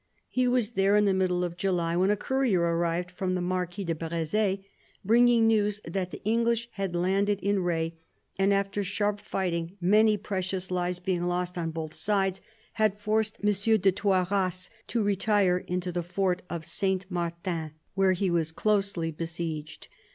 He was there in the middle of July, when a courier arrived from the Marquis de Breze, bringing news that the English had landed in R6, and after sharp fighting, many precious lives being lost on both sides, had forced M. de Toiras to retire into the fort of Saint Martin, where he was closely besieged.